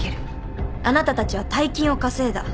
あなたたちは大金を稼いだ。